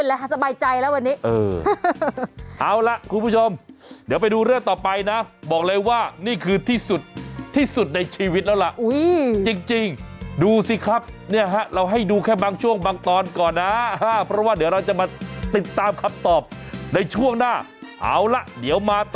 อ่ะถือว่าเชียร์เด็กกันไป